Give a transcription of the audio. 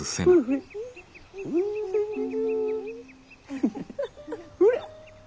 フフフッほら。